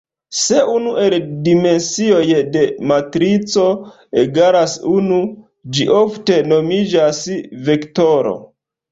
Se unu el dimensioj de matrico egalas unu, ĝi ofte nomiĝas vektoro.